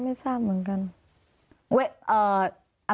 มันอยู่ที่โรงพยาบาลนั้นกัน